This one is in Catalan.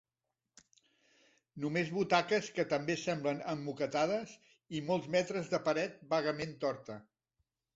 Només butaques que també semblen emmoquetades i molts metres de paret vagament torta.